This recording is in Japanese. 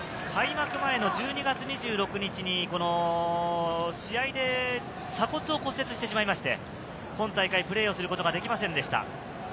開幕前の１２月２６日に試合で鎖骨を骨折してしまいまして、今大会プレーをすることができませんでした。